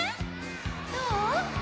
どう？